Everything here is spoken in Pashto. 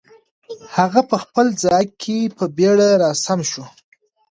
هغه په خپل ځای کې په بیړه را سم شو.